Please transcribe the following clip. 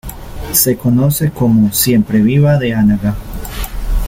Se conoce como "siempreviva de Anaga".